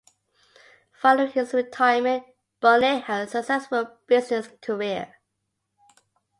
Following his retirement, Boniek had a successful business career.